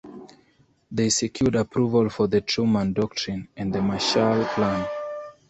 They secured approval for the Truman Doctrine and the Marshall Plan.